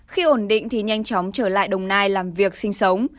khi ổn định thì nhanh chóng trở lại đồng nai làm việc sinh sống